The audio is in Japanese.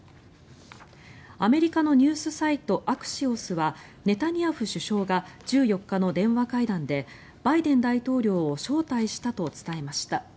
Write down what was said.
アメリカのニュースサイトアクシオスはネタニヤフ首相が１４日の電話会談でバイデン大統領を招待したと伝えました。